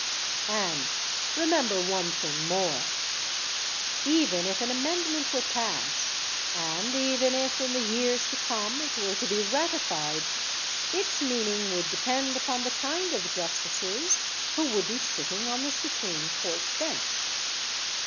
And remember one thing more. Even if an amendment were passed, and even if in the years to come it were to be ratified, its meaning would depend upon the kind of justices who would be sitting on the Supreme Court bench.